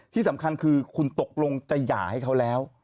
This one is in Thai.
ที่สำคัญคือคุณตกลงจะหย่าให้เขาแล้ว